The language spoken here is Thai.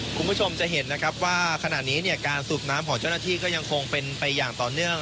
คุณผู้ชมจะเห็นนะครับว่าขณะนี้เนี่ยการสูบน้ำของเจ้าหน้าที่ก็ยังคงเป็นไปอย่างต่อเนื่อง